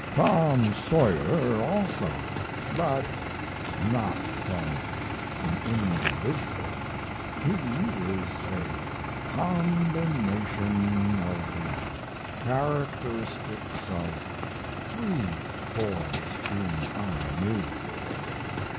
"Tom Sawyer also, but not from an individual he is a combination of the characteristics of three boys whom I knew."